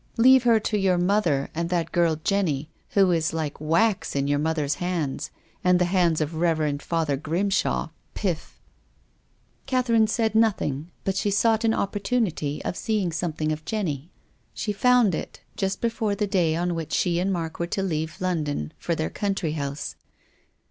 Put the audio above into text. Leave her to your mother and that girl, Jenny, who is like wax in your mother's hands and the hands of the Rev. Father Grimshaw. Piff !" Catherine said nothing, but she sought an op portunity of seeing something of Jenny. She found it, just before the day on which she and Mark were to leave London for their country house.